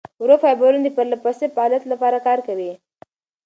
ورو فایبرونه د پرلهپسې فعالیت لپاره کار کوي.